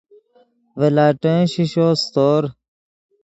ڤے لاٹین شیشو سیتور